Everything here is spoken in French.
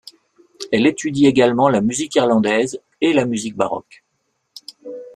Elle étudie également la musique irlandaise et la musique baroque.